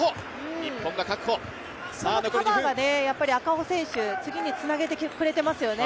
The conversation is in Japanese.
今のカバーが赤穂選手、次につなげてくれてますよね。